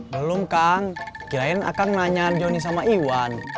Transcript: belum kang kirain akan nanya johnny sama iwan